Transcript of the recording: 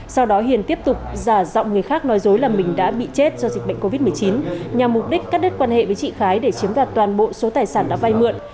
sau đó hiền tiếp tục giả giọng người khác nói dối là mình đã bị chết do dịch bệnh covid một mươi chín nhằm mục đích cắt đứt quan hệ với chị khái để chiếm đoạt toàn bộ số tài sản đã vay mượn